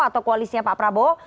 atau koalisinya pak prabowo